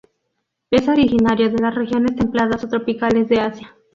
Es originario de las regiones templadas o tropicales de Asia.